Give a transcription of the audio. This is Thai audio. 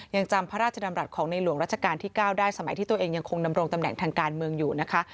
ยังจำพระราชดำรัฐของในหลวงราชการที่๙ได้สมัยที่ตัวเองยังคงดำรงตำแหน่งทางการเมืองอยู่นะคะ